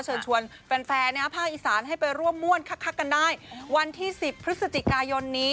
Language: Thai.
เชิญชวนแฟนภาคอีสานให้ไปร่วมม่วนคักกันได้วันที่๑๐พฤศจิกายนนี้